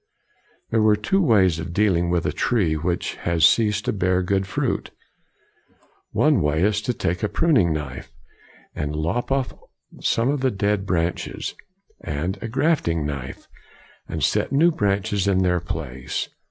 There are two ways of dealing with a tree which has ceased to bear good fruit. One way is to take a pruning knife, and lop off some of the dead branches, and a grafting knife, and set new branches in their place.